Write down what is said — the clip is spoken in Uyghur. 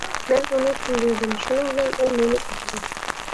مەن ئۇنى تىللىدىم، شۇنىڭ بىلەن ئۇ مېنى ئۇردى.